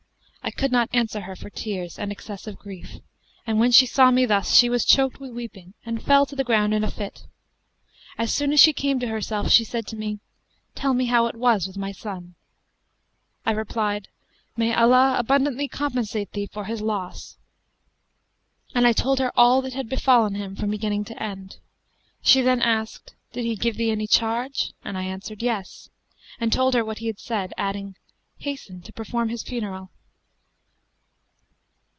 I could not answer her for tears and excess of grief, and when she saw me thus, she was choked with weeping and fell to the ground in a fit. As soon as she came to herself she said to me, 'Tell me how it was with my son.' I replied, 'May Allah abundantly compensate thee for his loss!' and I told her all that had befallen him from beginning to end. She then asked, 'Did he give thee any charge?'; and I answered, 'Yes,' and told her what he had said, adding, 'Hasten to perform his funeral.'